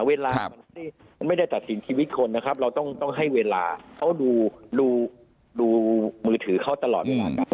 เวลามันไม่ได้ตัดสินชีวิตคนนะครับเราต้องให้เวลาเขาดูดูมือถือเขาตลอดเวลาครับ